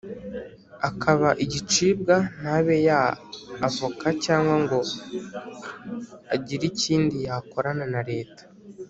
akaba igicibwa, ntabe yaba avoka cyangwa ngo agire ikindi yakorana na Leta